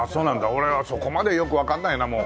俺はそこまでよくわかんないなもう。